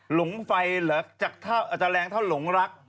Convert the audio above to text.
หลงไฟเหรออาจจะแรงเท่าหลงรัก